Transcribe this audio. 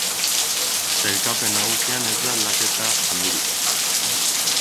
Sailkapen nagusian ez da aldaketa handirik.